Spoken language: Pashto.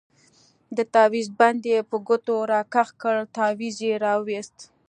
د تاويز بند يې په ګوتو راكښ كړ تاويز يې راوايست.